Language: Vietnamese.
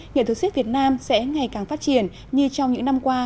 nghệ thuật siếc việt nam sẽ ngày càng phát triển như trong những năm qua